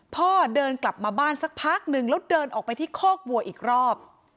พ่อเดินกลับมาบ้านสักพักนึงแล้วเดินออกไปที่คอกวัวอีกรอบ